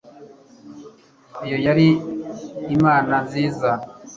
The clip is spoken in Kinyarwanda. iyo yari inama nziza